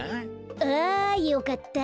あよかった。